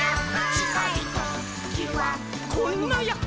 「ちかいときはこんなヤッホ」